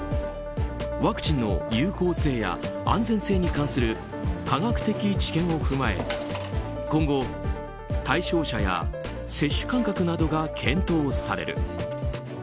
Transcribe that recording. ワクチンの有効性や安全性に関する科学的知見を踏まえ今後、対象者や接種間隔などが検討される。